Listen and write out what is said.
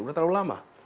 sudah terlalu lama